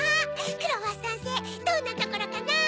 クロワッサンせいどんなところかな！